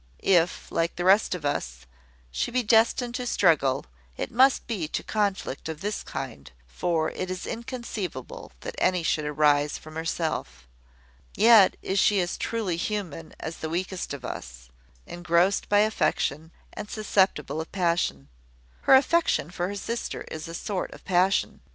If, like the rest of us, she be destined to struggle, it must be to conflict of this kind; for it is inconceivable that any should arise from herself. Yet is she as truly human as the weakest of us, engrossed by affection, and susceptible of passion. Her affection for her sister is a sort of passion.